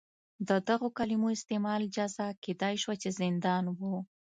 د دغو کلیمو استعمال جزا کېدای شوه چې زندان و.